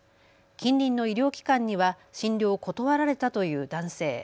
近隣の医療機関には診療を断られたという男性。